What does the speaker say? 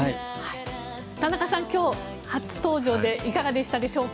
田中さん、今日初登場でいかがでしたでしょうか。